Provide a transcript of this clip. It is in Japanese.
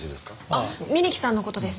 あっ峯木さんの事です。